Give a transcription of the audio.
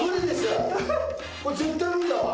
これ絶対無理だわ